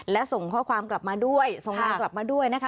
และส่งข้อความกลับมาด้วยส่งไลน์กลับมาด้วยนะคะ